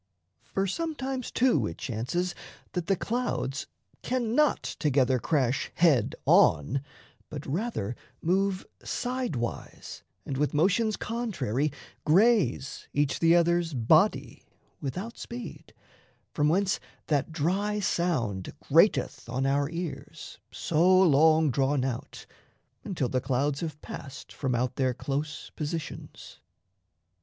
For sometimes, too, it chances that the clouds Cannot together crash head on, but rather Move side wise and with motions contrary Graze each the other's body without speed, From whence that dry sound grateth on our ears, So long drawn out, until the clouds have passed From out their close positions.